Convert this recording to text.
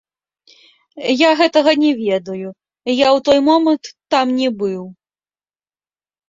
Я гэтага не ведаю, я ў той момант там не быў.